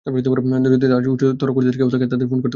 যদি তার চেয়েও উচ্চতর কর্তৃত্বের কেউ থাকে, তাদের ফোন করতে পারেন।